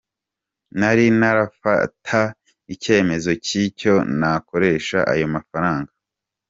Nari ntarafata icyemezo cy’icyo nakoresha ayo mafaranga.